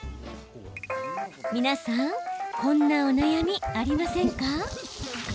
皆さん、こんなお悩みありませんか？